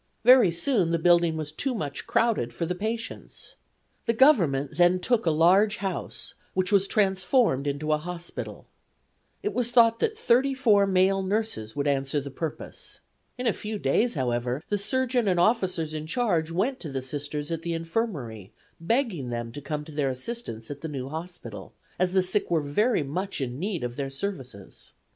Very soon the building was too much crowded for the patients. The Government then took a large house, which was transformed into a hospital. It was thought that male nurses would answer the purpose. In a few days, however, the surgeon and officers in charge went to the Sisters at the Infirmary, begging them to come to their assistance at the new hospital, as the sick were very much in need of their services.